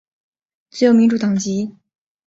自由民主党籍。